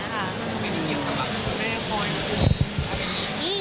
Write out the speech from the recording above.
มันไม่ได้เกี่ยวกับคุณแม่คอยคุมอะไรอย่างนี้